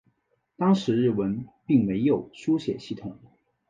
当时日文并没有书写系统。